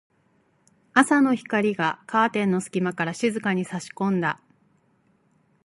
朝の光がカーテンの隙間から静かに差し込んだ。